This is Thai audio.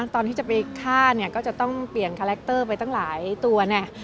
ตอนที่จะไปฆ่าเนี่ยก็จะต้องเปลี่ยนคาแรคเตอร์ไปตั้งหลายตัวเนี่ย